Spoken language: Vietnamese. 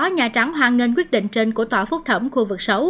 nhà trắng hoan nghênh quyết định trên của tòa phúc thẩm khu vực sáu